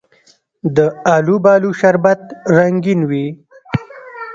د الوبالو شربت رنګین وي.